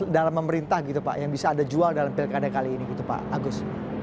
dalam pemerintah gitu pak yang bisa anda jual dalam pilkada kali ini gitu pak agus